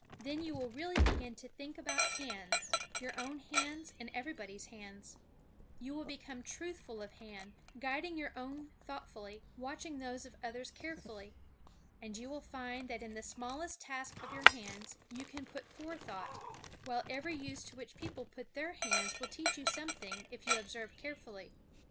Then you will really begin to think about hands; your own hands and everybody's hands. You will become truthful of hand, guiding your own thoughtfully; watching those of others carefully. And you will find that in the smallest tasks of your hands you can put forethought, while every use to which people put their hands will teach you something if you observe carefully.